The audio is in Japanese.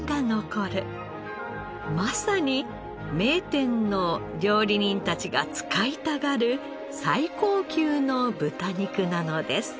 まさに名店の料理人たちが使いたがる最高級の豚肉なのです。